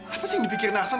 apa sih yang dipikirin arslan